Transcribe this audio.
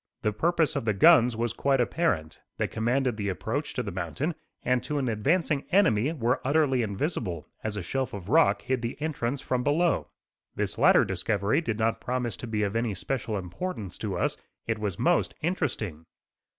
The purpose of the guns was quite apparent. They commanded the approach to the mountain, and to an advancing enemy were utterly invisible, as a shelf of rock hid the entrance from below. This latter discovery did not promise to be of any special importance to us, it was most interesting.